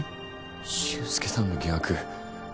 俊介さんの疑惑